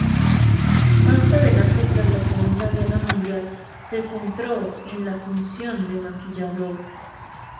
Más adelante, tras la Segunda Guerra Mundial, se centró en la función de maquillador.